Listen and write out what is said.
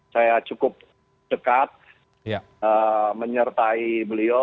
saya cukup dekat menyertai beliau